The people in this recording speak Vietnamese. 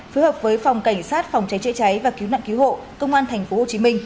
phối hợp với phòng cảnh sát phòng cháy chữa cháy và cứu nạn cứu hộ công an tp hcm